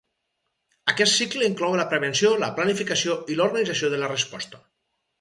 Aquest cicle inclou la prevenció, la planificació i l’organització de la resposta.